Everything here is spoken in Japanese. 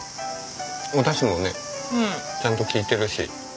おだしもねちゃんと利いてるし。